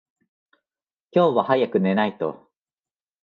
今日は早く寝ないと。